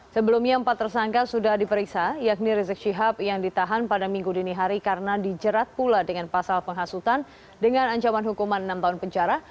sebelumnya empat tersangka sudah diperiksa yakni rizik syihab yang ditahan pada minggu dini hari karena dijerat pula dengan pasal penghasutan dengan ancaman hukuman enam tahun penjara